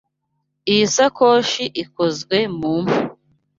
Iyi sakoshi ikozwe mu mpu.